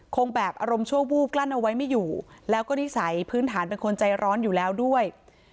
คงแบบอารมณ์ชั่ววูบกลั้นเอาไว้ไม่อยู่แล้วก็นิสัยพื้นฐานเป็นคนใจร้อนอยู่แล้วด้วย